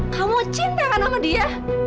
kamu cinta kan sama dia